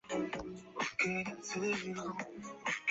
县名纪念天主教与东正教殉道圣人圣路济亚。